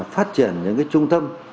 phát triển những cái trung tâm